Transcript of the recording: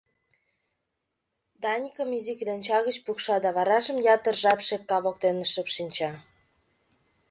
Даникым изи кленча гыч пукша да варажым ятыр жап шепка воктене шып шинча.